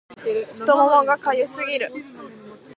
太ももが痒すぎる